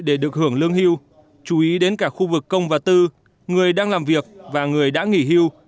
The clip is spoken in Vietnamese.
để được hưởng lương hưu chú ý đến cả khu vực công và tư người đang làm việc và người đã nghỉ hưu